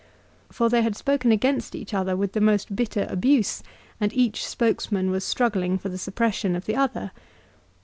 For they had spoken against each other with the most bitter abuse, and each spokesman was struggling for the suppression of the other.